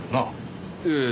ええ。